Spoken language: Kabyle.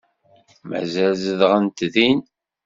Mazal zedɣent din?